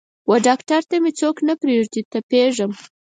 وډاکتر ته مې څوک نه پریږدي تپیږم